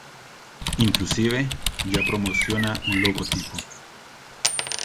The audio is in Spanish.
Inclusive, ya promociona un logotipo.